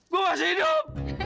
gue masih hidup